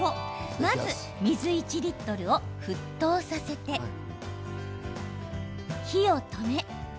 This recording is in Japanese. まず水１リットルを沸騰させて火を止め。